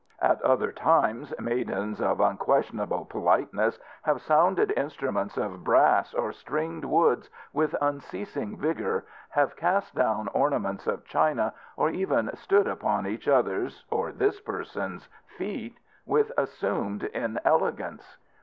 At other times maidens of unquestionable politeness have sounded instruments of brass or stringed woods with unceasing vigour, have cast down ornaments of china, or even stood upon each other's or this person's feet with assumed inelegance.